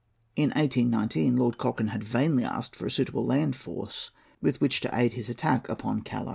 In 1819 Lord Cochrane had vainly asked for a suitable land force with which to aid his attack upon Callao.